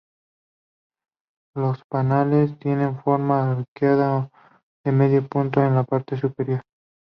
Los paneles tienen forma arqueada o de medio punto en la parte superior.